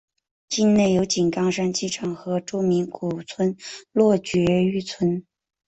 境内有井冈山机场和著名古村落爵誉村。